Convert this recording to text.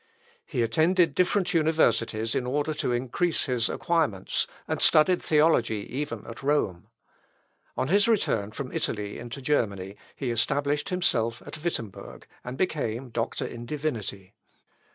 He attended different universities in order to increase his acquirements, and studied theology even at Rome. On his return from Italy into Germany he established himself at Wittemberg, and became doctor in divinity.